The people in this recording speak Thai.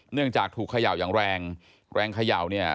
เนื่องจากถูกเขย่าอย่างแรงแรงเขย่าเนี่ย